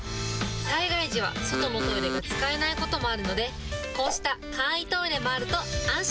災害時は外のトイレが使えないこともあるので、こうした簡易トイレもあると安心。